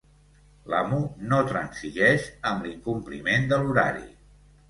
L'amo no transigeix amb l'incompliment de l'horari.